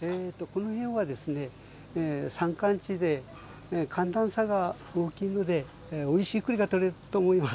この辺は山間地で寒暖差が大きいのでおいしい栗が取れるんだと思います。